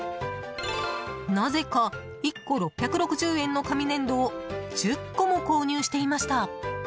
なぜか、１個６６０円の紙粘土を１０個も購入していました。